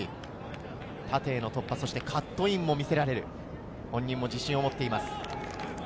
縦へのドリブル、そしてカットインも見せられる、本人も自信を持っています。